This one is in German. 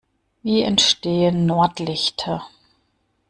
Wie entstehen Nordlichter?